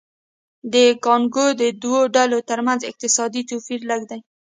د کانګو کې د دوو ډلو ترمنځ اقتصادي توپیر لږ دی